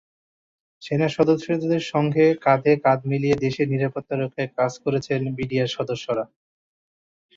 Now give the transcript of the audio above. সেনাসদস্যদের সঙ্গে কাঁধে কাঁধ মিলিয়ে দেশের নিরাপত্তা রক্ষার কাজ করছেন বিডিআর সদস্যরা।